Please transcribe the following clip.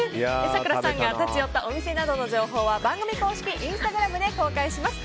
咲楽さんが立ち寄ったお店などの情報は番組公式インスタグラムで公開します。